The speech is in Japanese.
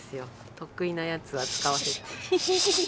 得意なやつは使わせ。